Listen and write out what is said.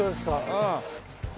うん。